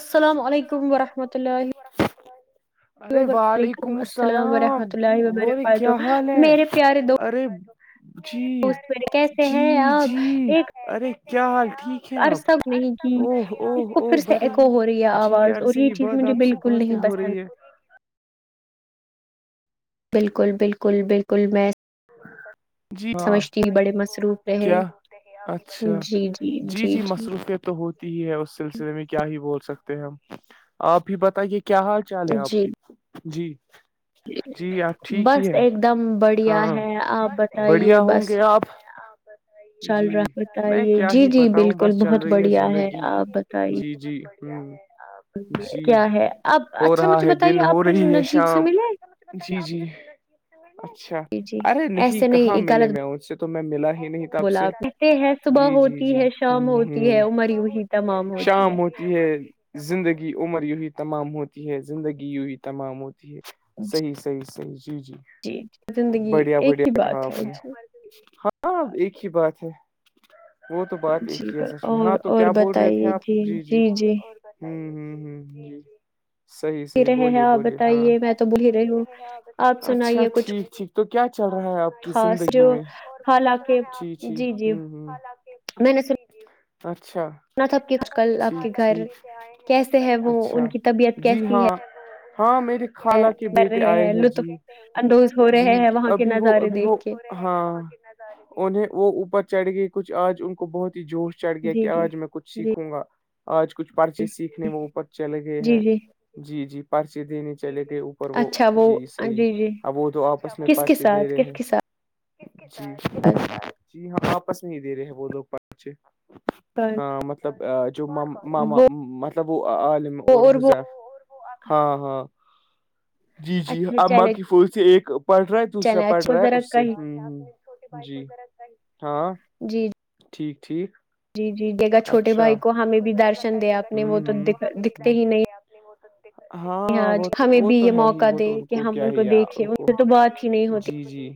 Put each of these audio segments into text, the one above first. السلام علیکم ورحمۃ اللہ ارے وبر ولیکم وعلیکم السلام ورحمۃ اللہ ہوے وبرکاتہ کیا حال ہے میرے پیارے ارے جی دوست میرے کیسے جی ہیں آپ جی ایک ارے کیا حال ٹھیک اھ عرصہ گفتگو نہیں کی او او اس کو او پھر سے بڑے ایکو ہی ہو رہی ہے جی آواز اور عرض یہ چیز بات مجھے آپ سے بالکل باتیں نہیں ہو پسند رہی ہے بالکل بالکل بالکل میں [inaudible] جی ہاں سمجھتی ہوں بڑے مصروف رہے کیا اچھا جی جی مصروف کے تو ہوتی ہی ہے اس سلسلے میں کیا ہی بول سکتے ہیں ہم آپ ہی بتائیے کیا چالیں آپ جی کے جی جی آپ ٹھیک ہی بس ہیں ایک دم بڑھیا ہے آپ بتائیے بڑھیا بس [inaudible] چل رہا جی میں بتائیے کیا جی ہی جی بتاؤں بالکل بس چل بہت رہی بڑھیا ہے زندگی آپ بتائیے جی جی جی کیا ہے آپ ہو اچھا رہا مجھے ہے دن بتائیے ہو آپ پھر رہی ہے نجیب سے شام ملے جی جی اچھا جی جی ارے ایسے نہیں کہاں ملے غلط میں مجھ سے تو میں ملا ہی نہیں تھا آپ بولا سے نے۔ کہتے ہیں صبح جی جی ہوتی جی ہے شام ہ ہوتی ہے ہ عمر یوں ہی تمام ہوتی شام ہو ہے زندگی عمر یوی تمام ہوتی ہے زندگی یوی تمام ہوتی ہے جی صحیح صحیح صحیح جی جی جی جی زندگی بڑھیا ایک ہی بڑھیا کہا بات ہے آپ نے جی ہاں ایک ہی بات ہے وہ تو بات ایک جی ہی ہے کل- سچ میں اور ہاں تو اور کیا بول رہے تھے بتائیے آپ جی جی ہوں صحیح ہی صحیح رہے ہیں بولیے آپ بولیے ہاں بتائیے میں تو بح رہے ہوں آپ اچھا سنائیے کچھ ٹھیک ٹھیک تو کیا چل رہا ہے کی خاص زندگی جو میں حالانکہ جی جی میں نے اچھا میں نے کہ سنا تھا کل آپ کے ٹھیک گھر ٹھیک آئے ہیں آج کیسے کل ہے وہ اچھا ان کی طبیعت جی کیسی ہاں ہاں میرے ہے خال کے کر بیٹے رہے آئے ہیں لطف جی اندوز ہو جی رہے ہیں وہاں کے ابھی وہ نظارے ابھی دیکھ وہ کے ہاں انہیں وہ اوپر چڑھ گئی کچھ آج ان کو بہت جوش چڑھ گیا جی کہ جی آج میں کچھ جی سیکھوں گا آج کچھ پرچے سیکھنے جی میں اوپر چل گئے جی ہیں جی جی جی پرچے دینے چلے گئے اوپر وہ جی صحیح اب وہ تو آپس میں کس کے پرچے دے ساتھ رہے کس ہیں کے ساتھ جی جی ہم واپس نہیں دے رہے ہیں وہ لوگ پہچے ہاں مطلب جو ماما وہ مطلب وہ عالم اور حزیف ہاں ہاں جی جی اچھا امماں چلے کی پور سے ایک پڑ رہے تھ دوسرا چلے پڑ اچھا رہا ہے ذرا اس سے کہیں جی ہاں جی ٹھیک ٹھیک جی جی جگا چھوٹے بھائی کو ان ہمیں بھی درشن دے آپ نے وہ تو دکھتے ہی نہیں ہاں وہ تو ہمیں وہ بھی تو یہ ہے ہی موقع وہ دے تو کہ ہم کیا ان کو ہی یا دیکھیں ان کو سے تو بات ہی نہیں ہوتی جی جی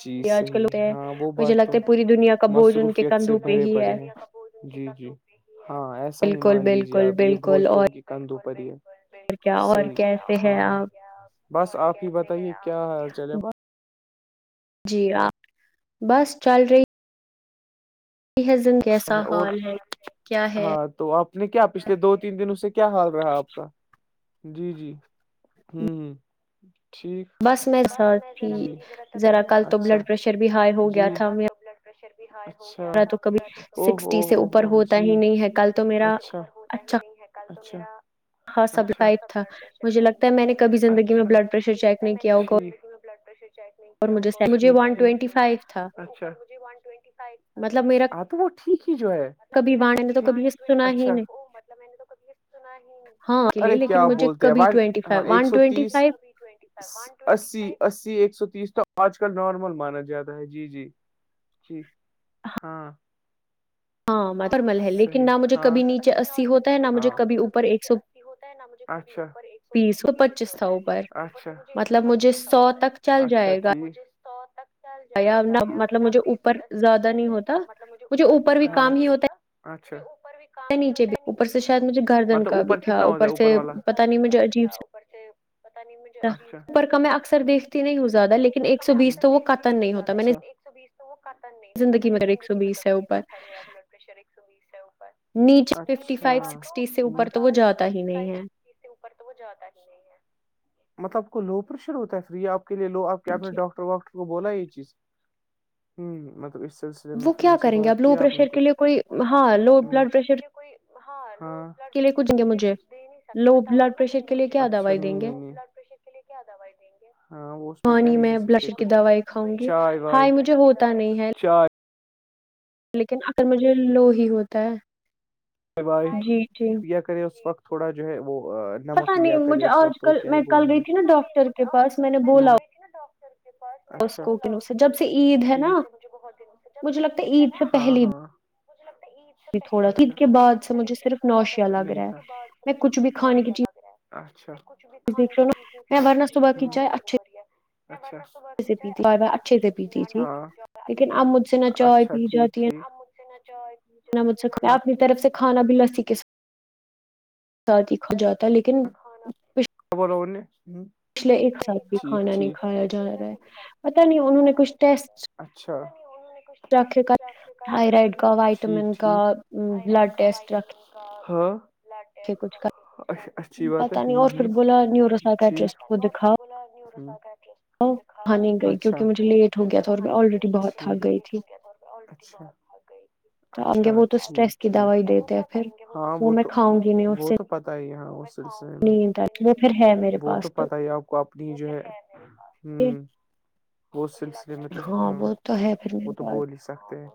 جی آج کل صحیح ہوتے ہیں ہاں وہ مجھے بات تو لگتا ہے پوری دنیا کا بوجھ ان کے مصروفیت سے کندھوں پہ بھرے ہی ہے پڑے ہیں جی جی ہاں ایسا ہی بالکل مان لیجیے بالکل آپ یہ بوج بالکل تو اور ان کی کندھوںوپر ہی ہے کیا اور صحیح کیسے ہے ہاں آپ بس آپ ہی بتائیے کیا حال چل ہے بس جی آپ بس چل رہی [inaudible] سا ہے اور حال ہے کیا ہے ہاں تو آپ نے کیا پچھلے دو تین دن اس سے کیا حال رہا آپ کا جی جی ہوں ہوں ٹھیک بس میں احساس تھی ذرا کل تو بلڈ پریشر بھی ہائی ہو گیا تھا اچھا تو کبھی او ہو سکسٹی سے ہو اوپر ہو ہوتا جی ہی نہیں ہے کل تو میرا اچھا [inaudible] ہاں سب ائب تھا مجھے لگتا ہے میں نے کبھی زندگی میں بلڈ پریشر چیک نہیں کیا ہوگا [inaudible] اور مجھے مجھے ون ٹوینٹی فائیو تھا مطلب میرا ہاں تو وہ ٹھیک ہی جو ہے کبھی وانے نے تو کبھی یہ سنا ہی نہیں [inaudible] ہاں لیے ارے لیکن مجھے بولتے ہیں کبھی twenty five one twenty five اسی اسی ایک سو تیس تو آج کل نارمل مانا جاتا ہے جی جی جی ہاں ہاں بہتر ہے لیکن نہ مجھے کبھی نیچے اسی ہوتا ہے نہ مجھے کبھی اوپر ایک سو اچھا ٹھیک ہے بیس پچیس سو اوپر مطلب مجھے سو تک چل اچھا جائے گا ٹھیک مطلب مجھے اوپر زیادہ نہیں ہوتا مجھے اوپر بھی کام ہی ہوتا اچھا نیچے بھی اوپر سے شاید مجھے گردن کا بھی اوپر تھا کتنا ہوتا اوپر ہے سے والا پتا نہیں مجھے عجیب سے [inaudible] اوپر کا میں اکثر دیکھتی نہیں ہوں زیادہ لیکن ایک سو بیس تو وہ قطا نہیں ہوتا میں نے سو بیس تو وہ قطان نہیں ہوتا میں نے ایک سو زندگی میں بیس کبھی نہیں اوپر دیکا ہے میرا ب نیچے ففٹی فائیو سکسٹی سے اوپر تو وہ جاتا ہی نہیں ہے وہ جاتا ہی نہیں مطلب آپ کو لو پریشر ہوتا ہے اسلے آپ کے لیے لو آپ کہ آ نے جی ڈاکٹر واکٹر کو بولا یہ چیز ہوں مطلب اس سلسلے وہ کیا کریں گے اب لو پرریشر کے لیے کوئی وہ کیا کریں گے لو پریشر کے لیے کوئی ہاے بلڈ پرریشر کچھ دیں گے کے لیے مجھے کچھ دین لو بلڈ پریشر کے لیے کیا دوائی دیں گے اس کے لیے کیا دوائی دیں گے ہاں وہ اس میں کیا پانی ہی دے سکتے بلشر کی دوائی کھاؤں کچھ گی چائے وائے ہائی مجھے ہوتا نہیں ہے چائے لیکن اگر مجھے لو ہی ہوتا ہے بائے بائے جی جی کیا کرے اس وقت تھوڑا جو ہے وہ پتا نمک نہیں لیا کرے مجھے اس آج وقت اور کل کیا ہی میں کل گئی تھی نا ڈاکٹر کے پاس میں نے بولا اس کو جب سے عید ہے نا جیسے [inaudible] مجھے لگتا ہے عید سے پہلی مجھے لگتا عید تھوڑا دن کے بعد سے مجھے صرف نوشیا بعد میں رہا صرف مجھے متلی لگ ہے میں کچھ بھی کھانے کی رہی ہے کچھ بھی چیز دیکھ کھانے رہا ہوں پر نا میں ورنہ صبح کی چائے اچھے سے پیتی میں اچھے سے پیتی تھی لیکن اب مجھ سے نہ چائے پی پیتی جاتی ہے [unintelligible] نہ مجھ سے کھایا اپنی طرف سے کھانا بھی لسی کے ساتھ ساتھ ہی کھا جاتا ہے لیکن خبر ہونے پچھلے ایک سال بھی کھانا نہیں کھایا جا رہا ہے پت نہیں انہوں نے کچھ ٹیسٹ اچھا رکھے کیا تھائرائڈ کا ٹھیک وائٹامن کا بلڈ ٹیسٹ رکھے ہاں کچھ کا اچچھی بات ہے پتا نہیں ہوں اور ہوں پھر بولا نیورو ٹھیک سائکٹرسٹ وہاں نہیں گئی اچھا کیونکہ مجھے لیٹ ہو گیا تھا اور میں آلریڈی بہت تھک گئی تھی [inaudible] آگے اچھا وہ تو اسٹریس کی دوائی دیتے ہیں پھر وہ میں کھاؤں گی نہیں اس سے پتہ ہی ہاں اس نیند اتی وہ پھر ہے میرے پاس تو آپ کو اپنی جو ہے ہمم وہ سلس میں تو ہاں وہ تو ہے پھر وہ میرے تو پاس بول ہی سکتے ہیں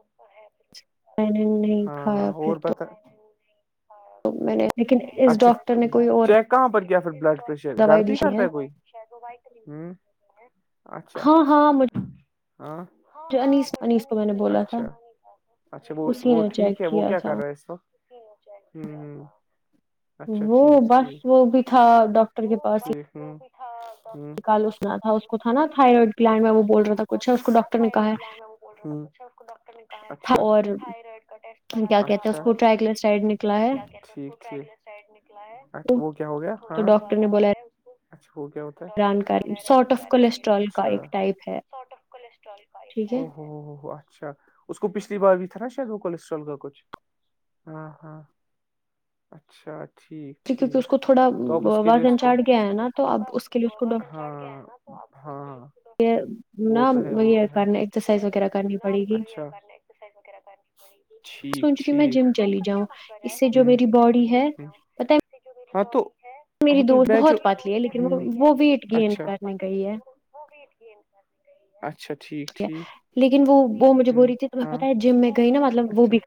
میں نے نہیں ہاں ہاں کھایا پھر اور پت تو میں نے لیکن اس ڈاکٹر نے کوئی اور کہاں پر کیا پھر بلڈ پرریشر اچ گر دوائی پ دی ہی کرتا ہے کوئی ہ اچھا ہاں جو انیس انیس کو میں نے بولا تھا اچھا وہ اسی وہ نے چیک ٹھیک ہے وہ کیا کر تھا رہے ہے اس وق ہ ہ وہ بس وہ بھی تھا ڈاکٹر کے پاس ہی پیٹھا کال اسنا تھا اس کو ا تھا نا تھائرائڈ گلینڈ میں ڈٹر وہ بول رہا تھا کچھ اس کو ڈاکٹر کےا نے کہا ہے جا تھا تھا، اور ڈر کیا کہتے ہیں اس اچارڈ کو ٹرائیکلسائڈ نکلا کا ہے اچا س نکلا وہ تو کیا ہو گیا ہاں اچھا وہ کیا ہوتا ران کر سارٹ آف کولیسٹرول کا ایک ٹائپ ہے سارٹ ٹھیک ہے اچھا اس کو پچھلی بار بھی تھا نا شاید وہ کولسٹرول کا کچھ ہاں ہاں اچھا ٹھیک کیکہ ٹھیک اس کو تھوڑا تو اب اس کے لیے اس وازن چاڑٹ گیا ہے نا تو اب اس کے لیے اس کو ہاں ہاں یہ ن یہ کرنے ایکسرسائز وغیرہ کرنی پڑے گی ٹھیک سوچ کہ میں ٹھیک جم چلی جاؤں اس سے جو میری باڈی ہے پتا ہاں تو ہاں میری تو دوست بیچو بہت پتلی ہے لیکن وہ ہ وہ ویٹ گین کرنے گئی ہے وہ بیٹ گ س اچھا ٹھیک کیا لیکن وہ مجھے بو رہ تھی تو میں پتا ہے جم میں گئی نا مطلب وہ بھی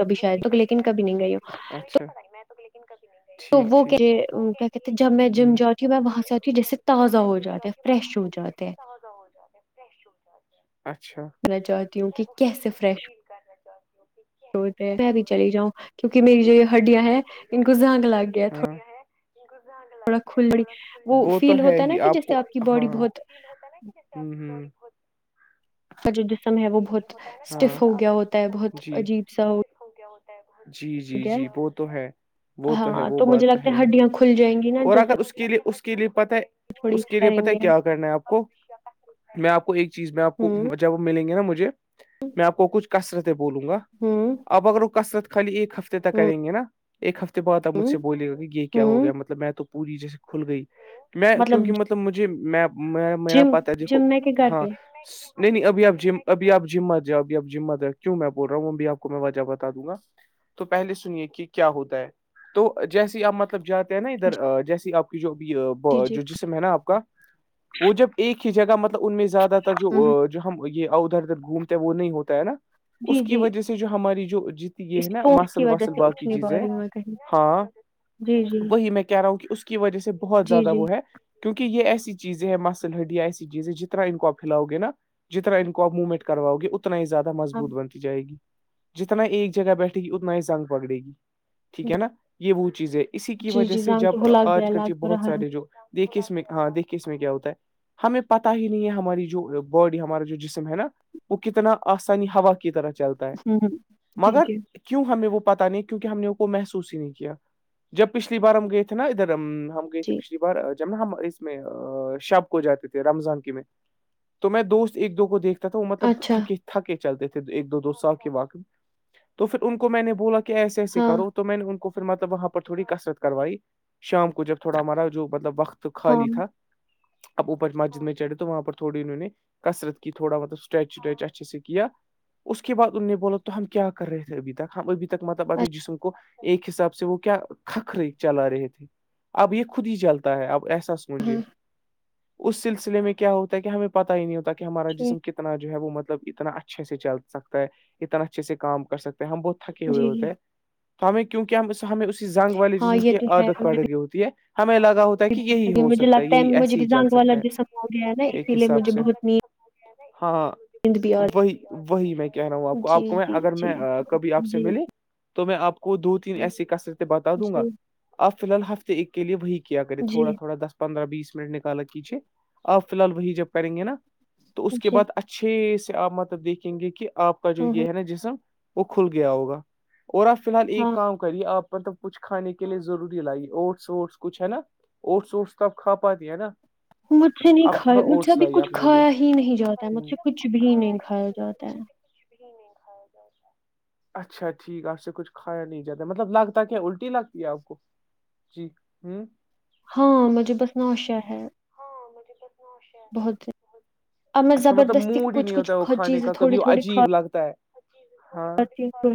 کبھی شاید تو لیکن کبھی نہیں گئی وہ اچھ ب میں تو لیکن کبھی نہیں تو وہ کہ کیا کہتے ہیں جب میں کیا جم جاتی ہوں میں وہاں سے آتی ہوں جس سے تازہ ہو جاتا ہے فریش ہو جاتا ہے اچھا چاہتی ہوں کہ کیسے فریش س میں بھی چلی جاؤں کیونکہ میری جو یہ ہڈیا ہیں انن کو جانگ لگ گیا تھوڑا کھلی وہ تو فیل ہے ہوتا ہی نا کہ آپ کو جیسے کی باڈی ہاں بہت ہ ہوں کا جو جسم ہے وہ بہت اسٹیف ہو گیا ہوتا ہے بہت عجیب سا جی جی گیا ہے جی وہ تو ہے وہ تو ہے ہاں وہ مجھے بات تو لگتا ہے ہی ہڈیاں کھل جائیں گی نا اور جیسے اگر اس کے لیے اس کے لیے پت ہے تھوڑی اس کے لیے کریں پت ہے گے کیا کرنا ہے آپ کو میں آپ کو ایک چیز میں آپ کو ہوں جب ملیں گے نا مجھے میں آپ کو کچھ کثرت بولوں گا ہوں اب اگر وہ کثرت خالی ایک ہفتے تک ہوں کریں گے نا ایک ہفتے بات آپ مجھ ہوں سے بول گا کہ یہ کیا ہو ہوں گیا مطلب میں تو پوری جیسے کھل گئی میں کیونکہ مطلب مجھے میں میرا جم پتا دیکھو جم میں کہ گھر ہاں پہ نہیں نہیں ابھی آپ اب آپ جذمت جا اب آپ جمت جیں کیوں میں بول رہا ہوں ابھی آ کو میں وجہ بتا دوں گا تو پہلے سنیے کہ کیا ہوتا ہے تو جیسے آپ مطلب جات نا ادھر جیسی آپ کی جو ابھی جی جی جو جسم ہے نا آپ کا وہ جب ایک ہی جگہ مطلب ان میں زیادہ تر ہوں جو جو ہم یہ دھر گھومتا ہے وہ نہیں ہوتا ہے نا جی اس کی جی وجہ سے جو ہماری جو جت یہ اس ہے نا فون کی مسل وجہ وسل سے اٹھ باقی نہیں پا چیزیں رہی ہوں میں کہیں ہاں جی جی وہی میں کہہ رہا ہوں کہ اس کی وجہ سے بہت جی زیادہ جی وہ ہے کیونکہ یہ ایسی چیزیں ہے مسل ہڈ یا ایسی چیزیں جتنا ان کوپ پھیلاؤ گے نا جتنا ان کو اب موومٹ کروؤے اتنا ہییادہ ہاں مضبوط بنتا جائے گی جتنا ایک جگہ بیٹھے گی اتنا ہی زنگ پکڑے گی ٹھیک ہے نا یہ، وہ چیز ہے اسی کی جی وجہ جی سے جان تو جب وہ لگ گیا آج کل ج لگ بہت رہا ہے سارے جو- دیکے اس میں ہاں دیک کے اس میں کیا ہوتا ہے ہمیں پت ہی نہیں ہے ہماری جو باڈی ہمارا جو جسم- ہے نا وہ کتنا آسانی ہوا کی طرح چلتا ہے ہوں جی مگر- جی کیوں ہمیں وہ پت نہیں کیونکہ ہم نے کو محسوس ہی نہیں کیا جب پچھلی بار ہم گئے تھے نا ادھر ا- ہم گئے تھے جی پچھلی بار- ج ہم اس میں شب کو جاتے تھے رمضان کی میں تو میں دوست ایک دو کو دیکھ- تھا وہ مطلب اچھا تھک تھکے چلتے تھے ایک دو دو سال کے واقع میں تو پھر ان کو میں نے بولا کہ- کہ ایسے ایسے ہاں کرو تو میں نے ان کو پھر مطلب وہاں پر تھوڑی کثرت کروائی شام کو جب تھوڑا ہمارا جو مطلب وقت تو ہاں خالی تھا اب اوپر مسجد میں چڑھے تو وہاں پر تھوڑی انہوں نے کثرت کہ تھوڑا مطلب اسٹریچ اسٹریچا س سےک اس کے بعد ان نے بولا تو ہم کیا کر رہے تھے ابھی تک ہم ابھی تک مطلب اچھا اپنے جسم کو ایک حساب سے وہ کیا کھکھرے چلا رہے تھے اب یہ خود ہی چلتا ہے اب ایسا س منجے ہاں اس سلسلے میں کیا ہوتا ہے کہ ہمیں پت ہی نہیں ہوتا ہمارا جسم ٹھیک کتنا جو ہے وہ مطلب اتنا اچھا- اچھے- سے چل سکتا ہے اتنا اچھے سے کام کر سکتے ہیں ہم بہت تھکے ہوئے جی ہوتے جی ہیں- ہمیں کیوںک ہمیں اسی جنگ والے ہاں جسم یہ کی تو عادت ہے پڑ گئی ہوتی ہے ہمیں لگا ہوتا- کہ بہت یہی تھکی ہو ہوں، مجھے سکتا ہے لگتا یہی مجھے ایسے بھی ہی چل زنگ والا سکتا جسم ہو گیا نا ہے ایک اسی لیے حساب مجھے سے- بہت نیند ہاںاں بھی آ وہی- وہی میں کہہ رہا ہوں آپ رہی کو جی آپ کو میں جی اگر جی میں کبھی آپ سے جی ملے- تو میں آپ کو دو تین جی ایسی کثرتیں بتا دوں گا جی آپ فی الحال ہف- ایک کے لیے وہی کیا کریں جی تھوڑا تھوڑا دس- پندرہ بیس منٹ نکالا کیجیے آپ فی الحال وہی جب کریں گے نا- تو اس کے جی بعد اچھے سے آپ مطلب دیکھیں گے کہ آپ کا جو ہاں ہاں یہ ہے نا جسم- وہ کھل گیا ہوگا اور آپ فی الحال ایک ہاں کام- کریے آپ مطلب کچھ کھے کے لیے ضروری لائیے اٹس ووٹس کچھ ہے نا- اوٹھس اوٹس تب کھ پاتی ہے نا- مجھ سے نہیں آپ تھوڑا کھایا مجھ سے اوٹس ابھی لائیے کچھ اپنے لیے کھایا ہی نہیں جاتا ہے مجھ ہوں، سے کچھ بھی نہیں کھایا جاتا ہے- بھی نہیں کایا جائے- اچھا ٹھیک ہے آپ سے کچھ کھایا نہیں جاتا مطلب لگتا کیا الٹی لگتی ہے آپ کو- جی ہوں- ہاں, مجھے بس ناشا ہے- س بہت، ار اچھا مطلب زبردستی موڈ ہی کچھ نہیں کچھ ہوتا ہے وہ کھانے چیز کا تھوڑی کبھی وہ تھوڑیوا عجیب لگتا ہے ہاں اکل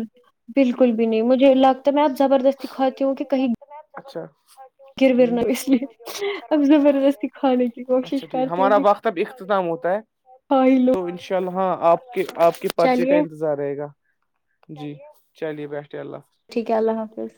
بالکل بھی نہیں مجھے لگتا ہے میں آپ زبردستی کھاتی ہوں کہیں- اچھا گر ہ ور نہ اس لیے اب زبردستی کھانے کی اچھا کوشش ٹھیک کرتی ہوں ہمارا کہ وقت تب اختتام ہوتا ہے ہائی لو تو ان شاء اللہ آپ کے آپ کے پرچے کا چلیے انتظام- رہے گا جی چلیے بیٹھے اللہ حاظ- ٹھیک ہے اللہ حافظ-